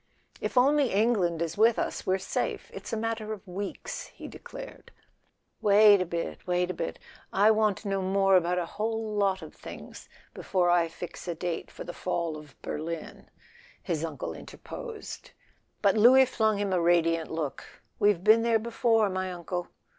"If only England is with us we're safe—it's a matter of weeks," he declared. "Wait a bit—wait a bit; I want to know more about a whole lot of things before I fix a date for the fall of Berlin," his uncle interposed; but Louis flung him a radiant look. "We've been there before, my uncle!"